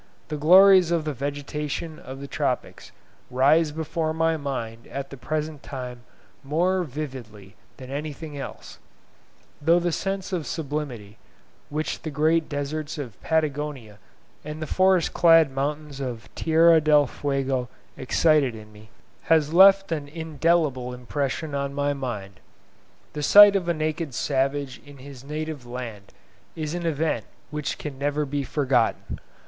The glories of the vegetation of the Tropics rise before my mind at the present time more vividly than anything else; though the sense of sublimity, which the great deserts of Patagonia and the forest clad mountains of Tierra del Fuego excited in me, has left an indelible impression on my mind. The sight of a naked savage in his native land is an event which can never be forgotten.